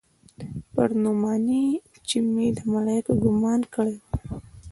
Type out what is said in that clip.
پر نعماني چې مې د ملايکو ګومان کړى و.